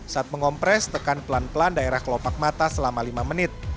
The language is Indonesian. saat mengompres tekan pelan pelan daerah kelopak mata selama lima menit